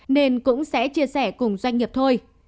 nên cũng sẽ chia sẻ cùng doanh nghiệp thôi